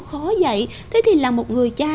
khó dạy thế thì làm một người cha